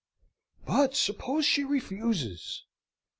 "But suppose she refuses?"